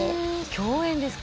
共演ですか？